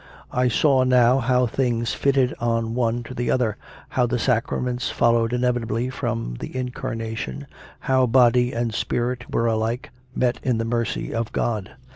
I saw now how things fitted on one to the other, how the sacraments followed inevitably from the Incarna tion, how body and spirit were alike met in the mercy of God.